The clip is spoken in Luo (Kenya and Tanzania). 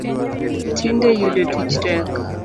Tinde yudo tich tek